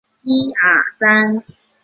这阵子听说他要工作了